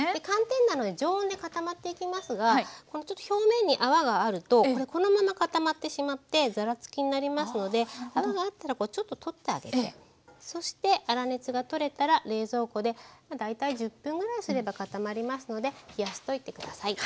寒天なので常温で固まっていきますが表面に泡があるとこのまま固まってしまってざらつきになりますので泡があったらちょっと取ってあげてそして粗熱がとれたら冷蔵庫で大体１０分ぐらいすれば固まりますので冷やしといて下さい。